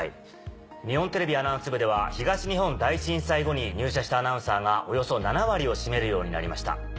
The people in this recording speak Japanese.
日本テレビアナウンス部では東日本大震災後に入社したアナウンサーがおよそ７割を占めるようになりました。